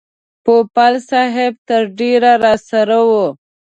پوپل صاحب تر ډېره راسره و.